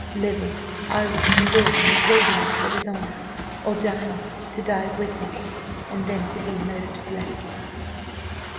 Living, I was to live in the radiance of his honour; or dying, to die with him, and then to be most blessed.